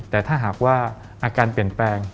แต่ถ้าหากว่าอาการเปลี่ยนแปลง